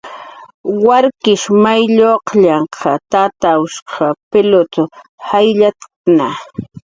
Warkish may qaylllanh tatshq pilut jayllatkna